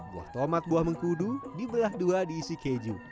buah tomat buah mengkudu dibelah dua diisi keju